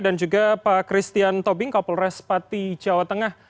dan juga pak christian tobing kapolres pati jawa tengah